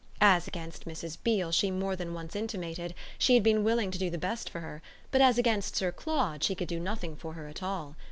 As against Mrs. Beale, she more than once intimated, she had been willing to do the best for her, but as against Sir Claude she could do nothing for her at all.